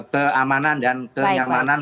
keamanan dan kenyamanan